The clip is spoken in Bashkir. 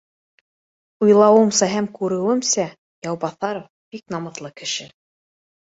Уйлауымса һәм күреүемсә, Яубаҫа ров бик намыҫлы кеше